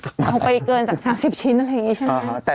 เอาไปเกินจาก๓๐ชิ้นอะไรอย่างนี้ใช่ไหม